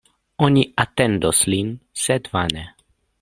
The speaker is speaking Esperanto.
Oni atendos lin, sed vane.